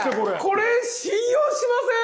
これ信用しません？